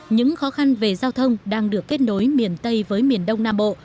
những khó khăn về giao thông đang được kết nối miền tây với miền đông nam bộ